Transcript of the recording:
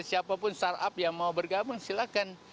siapapun startup yang mau bergabung silahkan